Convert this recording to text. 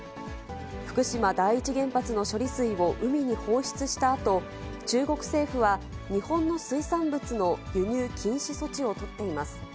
福島第一原発の処理水を海に放出したあと、中国政府は、日本の水産物の輸入禁止措置を取っています。